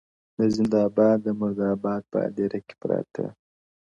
د زنده باد د مردباد په هديره كي پراته!